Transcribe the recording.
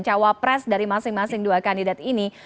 cawa pres dari masing masing dua kandidat ini